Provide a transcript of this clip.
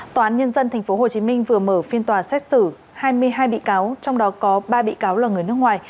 tòa án nhân dân tp hồ chí minh vừa mở phiên tòa xét xử hai mươi hai bị cáo trong đó có ba bị cáo là người nước ngoài